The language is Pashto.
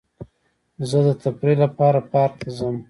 زه د تفریح لپاره پارک ته ځم.